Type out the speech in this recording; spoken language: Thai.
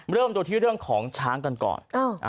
เริ่มดูที่เรื่องของช้างกันก่อน